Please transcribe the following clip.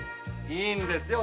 いいんですよ